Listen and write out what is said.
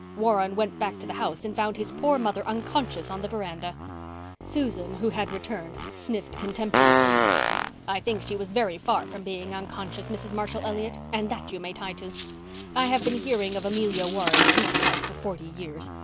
Warren went back to the house and found his poor mother unconscious on the veranda." Susan, who had returned, sniffed contemptuously. "I think she was very far from being unconscious, Mrs. Marshall Elliott, and that you may tie to. I have been hearing of Amelia Warren's weak heart for forty years.